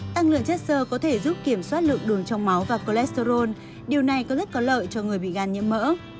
tăng lượng chất sơ có thể giúp kiểm soát lượng đường trong máu và cholesterol điều này có rất có lợi cho người bị gan nhiễm mỡ